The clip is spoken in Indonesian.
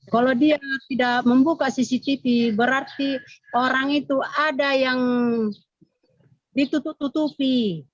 kalau dia tidak membuka cctv berarti orang itu ada yang ditutup tutupi